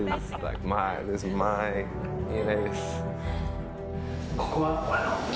いえないです。